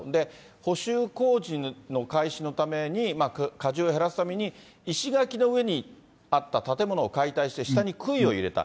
補修工事の開始のために、加重を減らすために石垣の上にあった建物を解体して、下にくいを入れた。